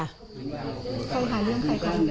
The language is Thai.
เขาหาเรื่องใครกัน